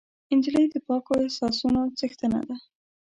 نجلۍ د پاکو احساسونو څښتنه ده.